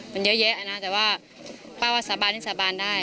มันเยอะเยอะนะแต่ว่าสาบานนี่สาบานได้